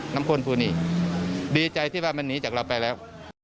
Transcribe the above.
น้ำคนภูนิดีใจที่มันมันหนีจากเราไปแล้ว